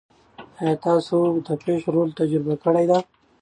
ایا تاسو د فش رول تجربه کړې ده؟